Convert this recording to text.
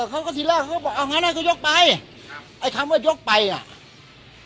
เขาก็ทีแรกเขาก็บอกเอางั้นอ่ะเขายกไปครับไอ้คำว่ายกไปอ่ะ